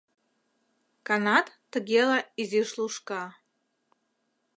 Канат, тыгела, изиш лушка...